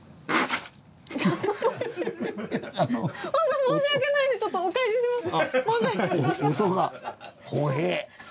ほんと申し訳ないんでちょっとお返しします。